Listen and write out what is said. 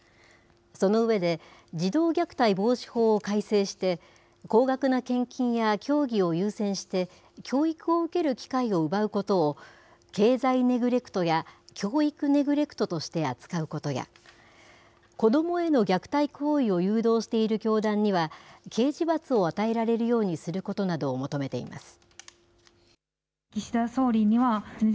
その上で、児童虐待防止法を改正して、高額な献金や教義を優先して教育を受ける機会を奪うことを、経済ネグレクトや教育ネグレクトとして扱うことや、子どもへの虐待行為を誘導している教団には、刑事罰を与えられるようにすることなどを求めています。